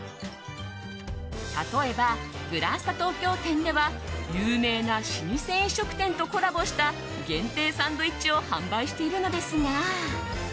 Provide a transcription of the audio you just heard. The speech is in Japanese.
例えば、グランスタ東京店では有名な老舗飲食店とコラボした限定サンドイッチを販売しているのですが。